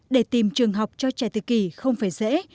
để tìm trường học cho trẻ tự kỷ không phải dễ